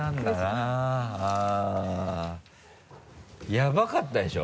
ヤバかったでしょ？